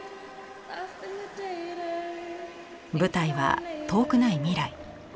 舞台は遠くない未来。